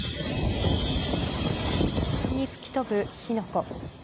吹き飛ぶ火の粉。